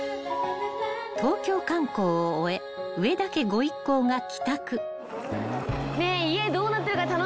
［東京観光を終え上田家ご一行が帰宅］ねえ。